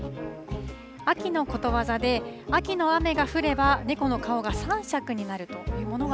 秋のことわざで、秋の雨が降れば猫の顔が三尺になるというものが